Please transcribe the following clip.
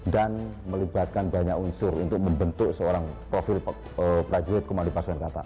dan melibatkan banyak unsur untuk membentuk seorang profil prajurit komali pasuan kata